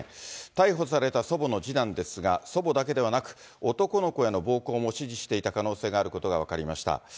逮捕された祖母の次男ですが、祖母だけではなく、男の子への暴行も指示していた可能性があることが分かりました。